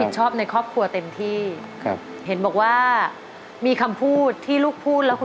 ใช่ครับครับครับ